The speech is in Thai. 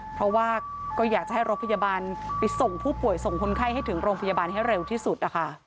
เพราะว่าก็อยากจะให้รถพยาบาลไปส่งผู้ป่วยส่งคนไข้ให้ถึงโรงพยาบาลให้เร็วที่สุดนะคะ